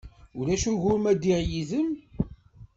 Ulac ugur ma ddiɣ yid-m?